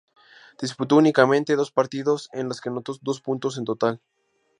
Disputó únicamente dos partidos, en los que anotó dos puntos en total.